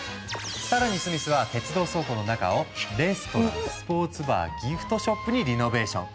更にスミスは鉄道倉庫の中をレストランスポーツバーギフトショップにリノベーション。